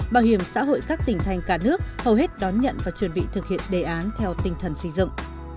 bảo hiểm xã hội các tỉnh thành cả nước hầu hết đón nhận và chuẩn bị thực hiện đề án theo tinh thần xây dựng